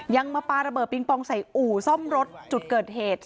มาปลาระเบิดปิงปองใส่อู่ซ่อมรถจุดเกิดเหตุ